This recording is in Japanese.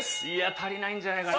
足りないんじゃないかな。